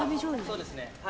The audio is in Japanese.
そうですね。